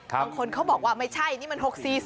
บางคนเขาบอกว่าไม่ใช่นี่มัน๖๔๐